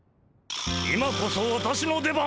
今こそ私の出番！